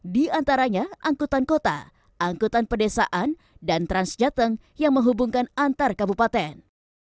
di antaranya angkutan kota angkutan pedesaan dan transjateng yang menghubungkan antar kabupaten